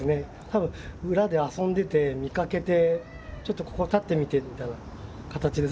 多分裏で遊んでて見かけてちょっとここ立ってみてみたいな形で。